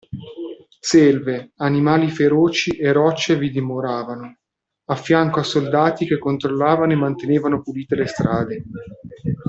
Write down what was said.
Selve, animali feroci e rocce vi dimoravano, affianco a soldati che controllavano e mantenevano pulite strade.